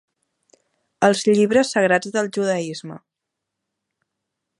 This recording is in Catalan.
Els llibres sagrats del judaisme.